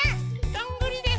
どんぐりです。